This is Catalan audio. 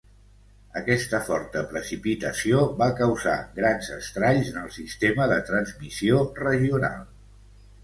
Aquesta forta precipitació va causar grans estralls en el sistema de transmissió regional.